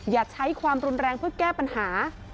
อย่าใช้ความรุนแรงเพื่อแก้ปัญหา